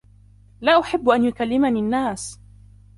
لا أحب أن يكلمني الناس.